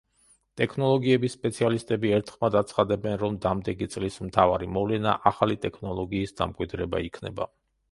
ტექნოლოგიების სპეციალისტები ერთხმად აცხადებენ, რომ დამდეგი, წლის მთავარი მოვლენა ახალი ტექნოლოგიის, დამკვიდრება იქნება.